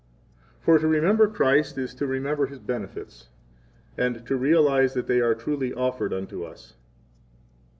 For to remember Christ is to remember His benefits, 31 and to realize that they are truly offered unto us.